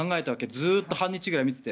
ずっと半日くらい見てて。